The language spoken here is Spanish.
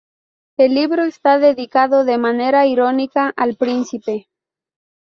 El libro está dedicado, de manera irónica, al príncipe.